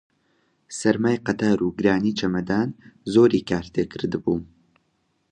سەرمای قەتار و گرانی چەمەدانان زۆری کار تێ کردبووم